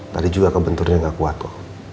tadi juga kebenturnya nggak kuat pak